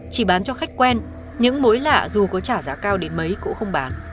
chỉ bán cho khách quen những mối lạ dù có trả giá cao đến mấy cũng không bán